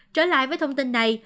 trở lại với thông tin này